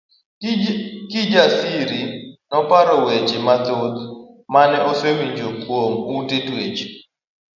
Kijasiri noparo weche mathoth mane osewinjo kuom ute twech.